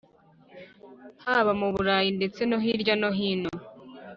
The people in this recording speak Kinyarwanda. Haba mu burayi ndetse no hirya no hino